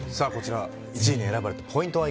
１位に選ばれたポイントは？